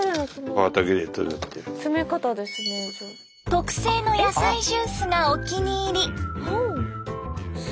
特製の野菜ジュースがお気に入り。